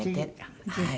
はい。